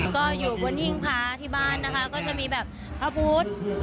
ก็อยู่บนหิ้งพระที่บ้านนะคะก็จะมีแบบพระพุทธ